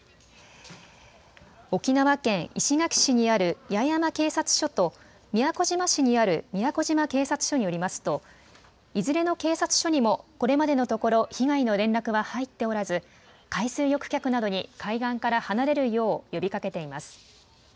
沖縄県石垣市にある八重山警察署と宮古島市にある宮古島警察署によりますといずれの警察署にもこれまでのところ被害の連絡は入っておらず海水浴客などに海岸から離れるよう呼びかけています。